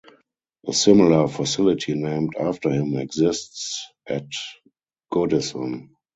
A similar facility named after him exists at Goodison.